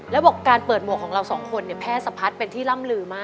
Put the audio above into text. แล้วกันของเราสองคนเนี่ยแฟศพัฒน์เป็นที่ร่ำเลยมาก